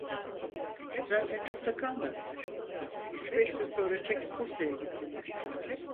Zaten çok da kalmadılar, üç beş, gün sonra çekip Bursa'ya gittiler.